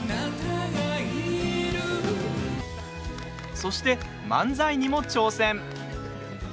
そして、漫才にも挑戦！